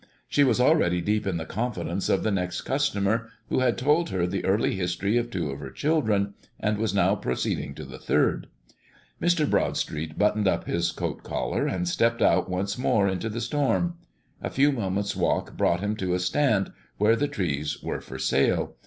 She was already deep in the confidence of the next customer, who had told her the early history of two of her children, and was now proceeding to the third. Mr. Broadstreet buttoned up his coat collar, and stepped out once more into the storm. A few moments' walk brought him to a stand where the trees were for sale.